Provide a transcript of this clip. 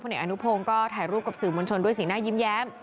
เอกอนุพงศ์ก็ถ่ายรูปกับสื่อมวลชนด้วยสีหน้ายิ้มแย้ม